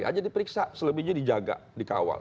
hanya diperiksa selebihnya dijaga dikawal